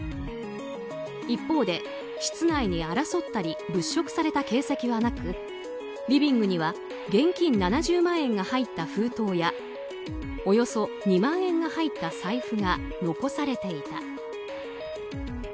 一方で、室内に争ったり物色された形跡はなくリビングには現金７０万円が入った封筒やおよそ２万円が入った財布が残されていた。